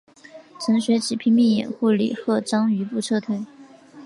程学启拼死掩护李鹤章余部撤退。